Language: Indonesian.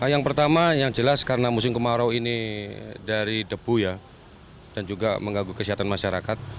yang pertama yang jelas karena musim kemarau ini dari debu ya dan juga mengganggu kesehatan masyarakat